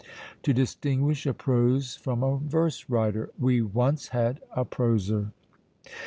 To distinguish a prose from a verse writer, we once had "a proser."